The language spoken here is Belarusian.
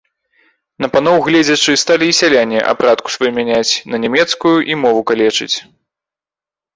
На паноў гледзячы, сталі і сяляне апратку сваю мяняць на нямецкую і мову калечыць.